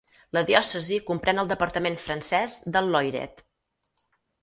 La diòcesi comprèn el departament francès del Loiret.